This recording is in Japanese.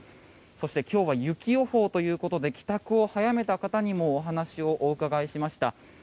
そして、今日は雪予報ということで帰宅を早めた方にもお話を伺いしました。